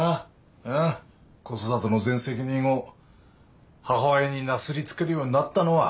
子育ての全責任を母親になすりつけるようになったのは。